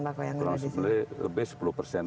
bakau yang ada di sini lebih sepuluh persen